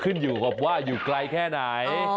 ขึ้นอยู่กับว่าอยู่ไกลแค่ไหน